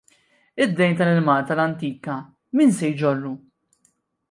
Id-dejn tal-Enemalta l-antika min se jġorru?